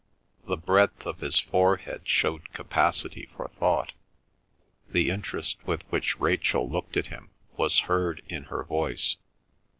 The breadth of his forehead showed capacity for thought. The interest with which Rachel looked at him was heard in her voice.